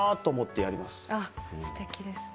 すてきですね。